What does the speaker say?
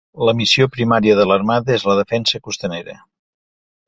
La missió primària de l'Armada, és la defensa costanera.